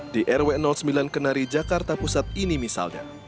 di rw sembilan kenari jakarta pusat ini misalnya